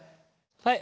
はい。